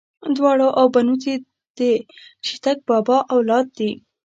داوړ او بنوڅي ده شيتک بابا اولاد دې.